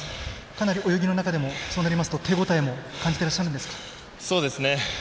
かなり泳ぎの中でも手応えも感じてらっしゃるんですか？